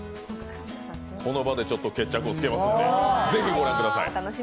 この場で決着をつけますんでぜひご覧ください。